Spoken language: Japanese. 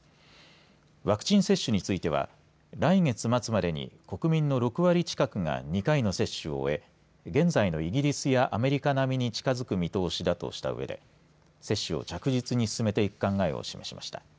ワクチン接種については来月末までに国民の６割近くが２回の接種を終え、現在のイギリスやアメリカ並みに近づく見通しだとしたうえで接種を着実に進めていく考えを示しました。